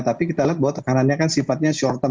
tapi kita lihat bahwa tekanannya kan sifatnya short term